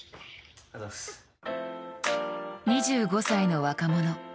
２５歳の若者。